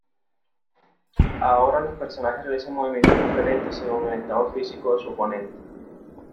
Ahora los personajes realizan movimientos diferentes según el estado físico de su oponente.